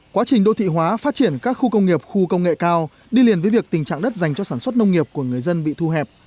quá trình đô thị hóa phát triển các khu công nghiệp khu công nghệ cao đi liền với việc tình trạng đất dành cho sản xuất nông nghiệp của người dân bị thu hẹp